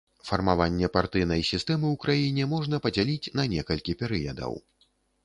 Фармаванне партыйнай сістэмы ў краіне можна падзяліць на некалькі перыядаў.